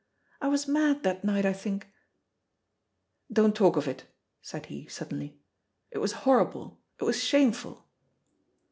I was mad that night I think." "Don't talk of it," said he suddenly; "it was horrible; it was shameful."